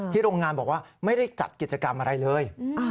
โรงงานบอกว่าไม่ได้จัดกิจกรรมอะไรเลย